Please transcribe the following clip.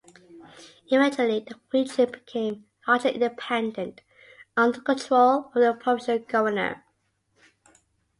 Eventually the region became largely independent under the control of the provincial governor.